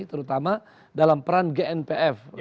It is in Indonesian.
terutama dalam peran gnpf